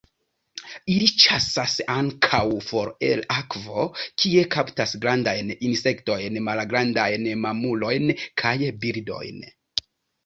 Ili ĉasas ankaŭ for el akvo, kie kaptas grandajn insektojn, malgrandajn mamulojn, kaj birdojn.